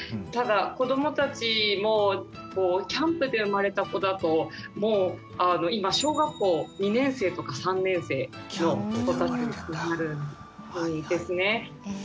ただ子どもたちもキャンプで生まれた子だともう今小学校２年生とか３年生の子たちになるんですね。